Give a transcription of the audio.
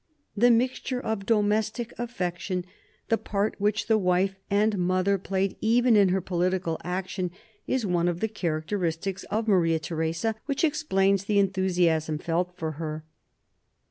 The mixture of domestic affection, the part which the wife and mother played even in her political action, is one of the characteristics of Maria Theresa which explains the enthusiasm felt for her.